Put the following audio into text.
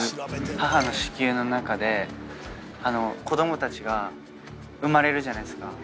母の子宮の中で子供たちが生まれるじゃないですか。